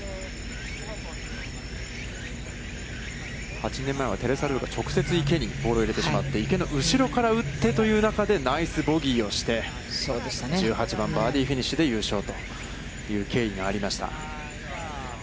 ８年前はテレサ・ルーがボールを入れてしまって、池の後ろから打ってという中で、ナイスボギーをして、１８番バーディーフィニッシュで優勝という経緯がありました。